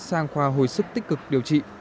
sang khoa hồi sức tích cực điều trị